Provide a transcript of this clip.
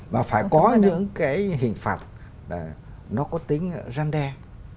mà phải có những cái hình phạt nó có tính răn đen